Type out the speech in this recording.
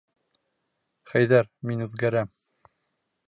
Хәйҙәр, мин үҙгәрәм.